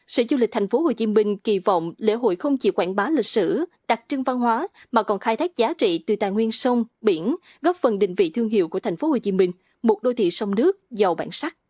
sở du lịch thành phố hồ chí minh kỳ vọng liễu hội không chỉ quảng bá lịch sử đặc trưng văn hóa mà còn khai thác giá trị từ tài nguyên sông biển góp phần định vị thương hiệu của thành phố hồ chí minh một đô thị sông nước giàu bản sắc